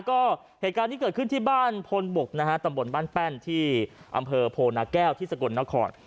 ก็เหตุการณ์ที่เกิดขึ้นที่บ้านพลบกนะฮะตำบลบ้านแป้นที่อำเภอโพนาแก้วที่สกลนคร